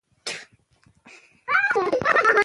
سیاسي ثبات د سولې ضمانت دی